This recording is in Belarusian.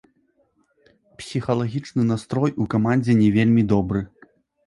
Псіхалагічны настрой у камандзе не вельмі добры.